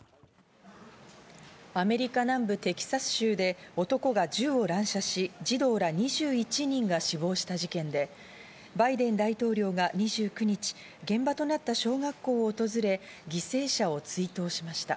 アメリカ南部テキサス州で男が銃を乱射し、児童ら２１人が死亡した事件で、バイデン大統領が２９日、現場となった小学校を訪れ、犠牲者を追悼しました。